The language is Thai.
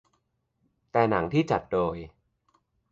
แต่หนังที่จัดโดย